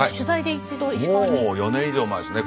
もう４年以上前ですね。